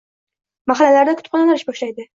Mahallalarda kutubxonalar ish boshlaydi